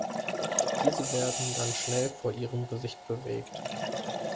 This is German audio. Diese werden dann schnell vor ihrem Gesicht bewegt.